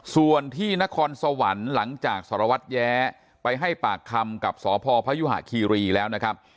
ส่วนที่นครสวรรค์หลังจากสารวัตรแย้ไปให้ปากคำกับสพพยุหะคีรีแล้วนะครับ